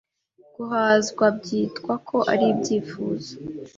Guhazwa byitwa ko ari ibyifuzo